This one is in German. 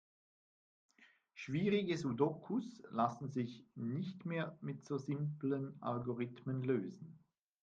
Schwierige Sudokus lassen sich nicht mehr mit so simplen Algorithmen lösen.